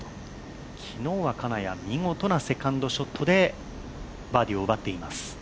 昨日は金谷、見事なセカンドショットでバーディーを奪っています。